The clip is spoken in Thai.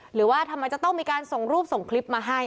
หรือว่าทำไมจะต้องมีการส่งรูปส่งคลิปมาให้